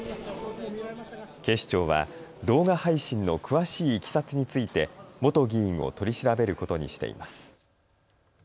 警視庁は動画配信の詳しいいきさつについて元議員を取り調べることにしています。